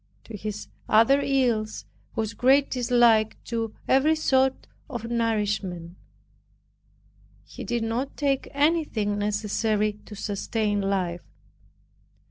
To his other ills was great dislike to every sort of nourishment; he did not take anything necessary to sustain life.